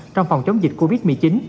trong phòng chống dịch covid một mươi chín